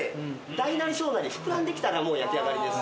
大なり小なり膨らんできたらもう焼き上がりです。